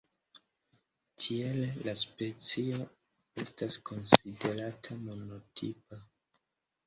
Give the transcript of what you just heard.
Tiele la specio estas konsiderata monotipa.